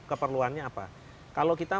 keperluannya apa kalau kita